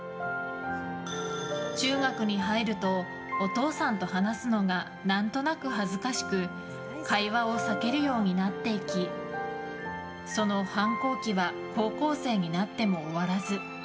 中学に入るとお父さんと話すのが何となく恥ずかしく会話を避けるようになっていきその反抗期は高校生になっても終わらず。